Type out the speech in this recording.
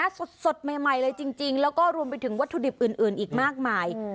สดใหม่เลยจริงแล้วก็รวมไปถึงวัตถุดิบอื่นอีกมากมาย